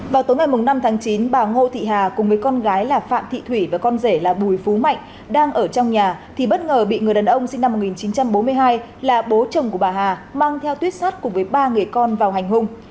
vào tối ngày năm tháng chín bà ngô thị hà cùng với con gái là phạm thị thủy và con rể là bùi phú mạnh đang ở trong nhà thì bất ngờ bị người đàn ông sinh năm một nghìn chín trăm bốn mươi hai là bố chồng của bà hà mang theo tuyết sát cùng với ba người con vào hành hung